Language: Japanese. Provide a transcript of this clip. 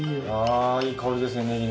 ああいい香りですね